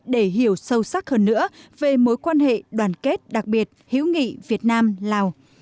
để hiểu sâu sắc hơn nữa về mối quan hệ đoàn kết đặc biệt hiếu nghị việt nam lào